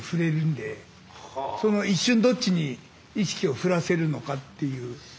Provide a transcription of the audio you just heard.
一瞬どっちに意識を振らせるのかっていうのもあります。